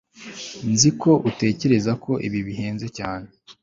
nzi ko utekereza ko ibi bihenze cyane